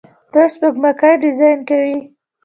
دوی سپوږمکۍ ډیزاین کوي.